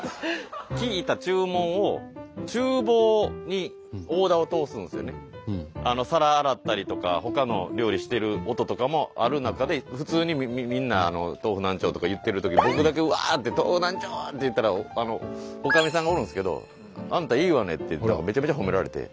聞いた注文を皿洗ったりとかほかの料理してる音とかもある中で普通にみんな「豆腐何丁」とか言ってるときに僕だけうわ！って「豆腐何丁！」って言ったらおかみさんがおるんですけど「あんたいいわね」ってめちゃめちゃ褒められて。